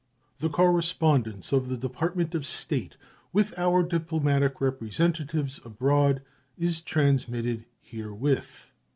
The correspondence of the Department of State with our diplomatic representatives abroad is transmitted herewith.